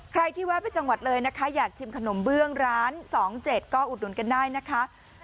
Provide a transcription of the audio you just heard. ใครที่แวะไปจังหวัดเลยนะคะอยากชิมขนมเบื้องร้าน๒๗ก็อุดหนุนกันได้นะคะ